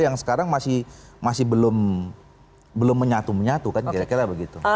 yang sekarang masih belum menyatu menyatu kan kira kira begitu